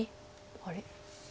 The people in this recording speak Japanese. あれ？